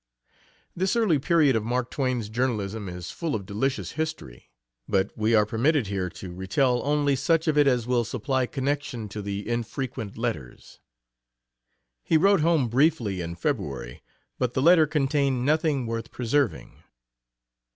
This early period of Mark Twain's journalism is full of delicious history, but we are permitted here to retell only such of it as will supply connection to the infrequent letters. He wrote home briefly in February, but the letter contained nothing worth preserving.